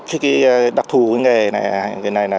cái đặc thù của cái nghề này